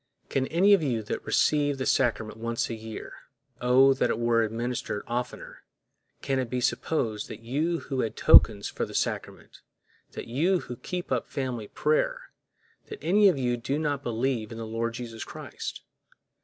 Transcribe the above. Can any of you that receive the sacrament once a year—oh, that it were administered oftener!—can it be supposed that you who had tokens for the sacrament, that you who keep up family prayer, that any of you do not believe in the Lord Jesus Christ?